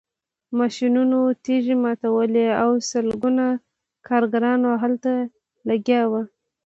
ماشینونو تیږې ماتولې او سلګونه کارګران هلته لګیا وو